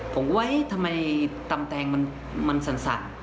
ผมก็เอ๊ะทำไมตำแตงมันสั่น